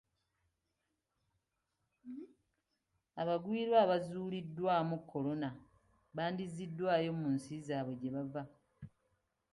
Abagwira abaazuuliddwamu kolona baddiziddwayo mu nsi zaabwe gye bava.